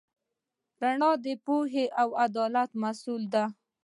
رڼا د پوهې او عدالت محصول ده.